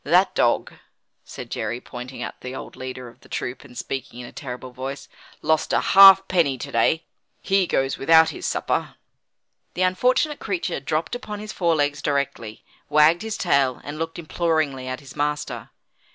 That dog," said Jerry, pointing out the old leader of the troop, and speaking in a terrible voice, "lost a halfpenny to day. He goes without his supper." The unfortunate creature dropped upon his forelegs directly, wagged his tail, and looked imploringly at his master.